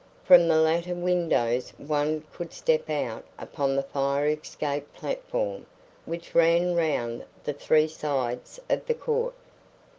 From the latter windows one could step out upon the fire escape platform, which ran round the three sides of the court.